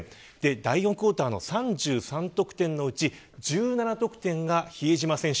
第４クオーターの３３得点のうち１７得点が比江島選手。